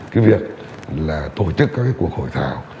cái việc là tổ chức các cuộc hội thảo